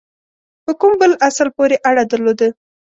په کوم بل اصل پوري اړه درلوده.